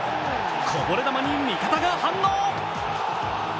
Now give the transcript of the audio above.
こぼれ球に味方が反応。